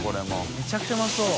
めちゃくちゃうまそう。